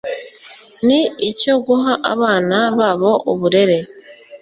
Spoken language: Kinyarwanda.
n icyo guha abana babo uburere